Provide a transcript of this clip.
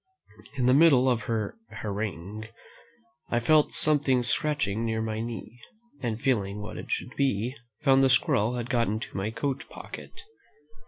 In the middle of her harangue, I felt something scratching near my knee, and feeling what it should be, found the squirrel had got into my coat pocket.